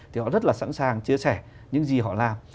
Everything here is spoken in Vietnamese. thì họ rất là sẵn sàng chia sẻ những gì họ làm